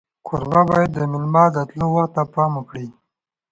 کوربه باید د میلمه د تلو وخت ته پام وکړي.